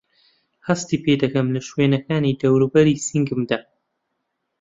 هەستی پێدەکەم له شوێنەکانی دەورووبەری سنگمدا؟